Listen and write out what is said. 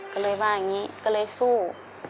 ก็เลยว่าอย่างนี้ก็เลยสู้